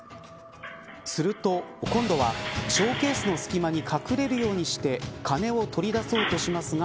すると今度はショーケースの隙間に隠れるようにして金を取り出そうとしますが